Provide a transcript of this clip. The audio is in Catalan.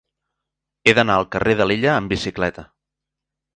He d'anar al carrer d'Alella amb bicicleta.